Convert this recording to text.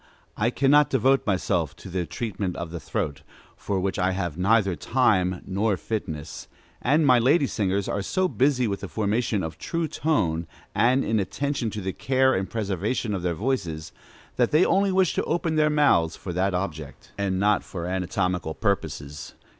_ I cannot devote myself to the treatment of the throat, for which I have neither time not fitness; and my lady singers are so busy with the formation of true tone, and in attention to the care and preservation of their voices, that they only wish to open their mouths for that object, and not for anatomical purposes.